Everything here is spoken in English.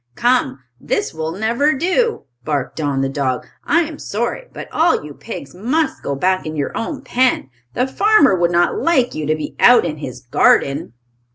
"Come! This will never do!" barked Don, the dog. "I am sorry, but all you pigs must go back in your own pen. The farmer would not like you to be out in his garden."